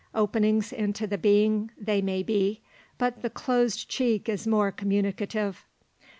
Openings into the being they may be, but the closed cheek is more communicative.